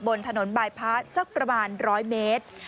บนถนนบายพาร์ทสักประมาณ๑๐๐เมตร